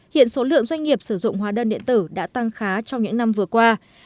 hiện số lượng doanh nghiệp sử dụng hóa đơn điện tử đã tăng khá trong những năm vừa qua